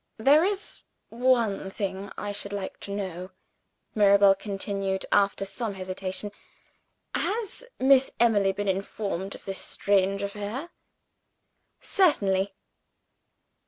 "There is one thing I should like to know," Mirabel continued, after some hesitation. "Has Miss Emily been informed of this strange affair?" "Certainly!"